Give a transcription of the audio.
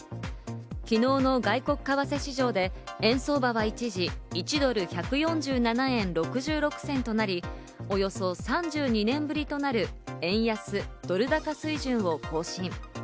昨日の外国為替市場で、円相場は一時、１ドル＝１４７円６６銭となり、およそ３２年ぶりとなる円安ドル高水準を更新。